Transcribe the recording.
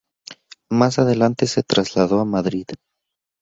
Mas adelante se trasladó a Madrid.